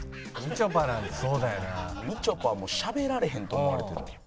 みちょぱはもうしゃべられへんと思われてる。